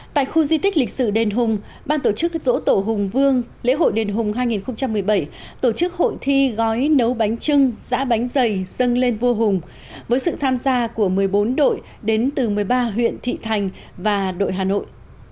tại khu di tích lịch sử đền hùng ban tổ chức dỗ tổ hùng vương lễ hội đền hùng hai nghìn một mươi bảy tổ chức hội thi gói nấu bánh trưng giã bánh dày dân lên vua hùng với sự tham gia của một mươi bốn đội đến từ một mươi ba huyện thị thành và đội hà nội